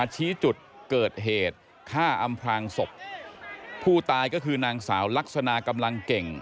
ชี้จุดเกิดเหตุฆ่าอำพลางศพผู้ตายก็คือนางสาวลักษณะกำลังเก่ง